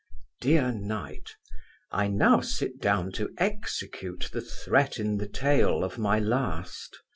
DEAR KNIGHT, I now sit down to execute the threat in the tail of my last.